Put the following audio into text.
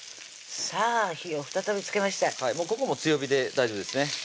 さぁ火を再びつけましてここも強火で大丈夫ですね